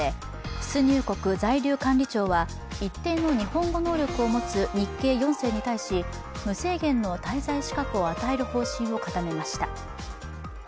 出入国在留管理庁は一定の日本語能力を持つ日系４世に対し、無制限の滞在資格を与える方針を固めました。